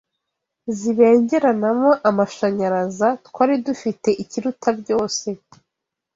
Zibengeranamo amashanyaraza Twari dufite ikiruta byose